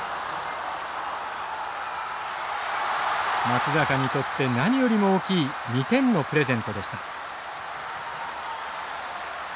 松坂にとって何よりも大きい２点のプレゼントでした。